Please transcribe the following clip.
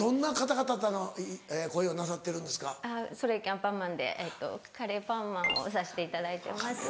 アンパンマン』でカレーパンマンをさしていただいてます。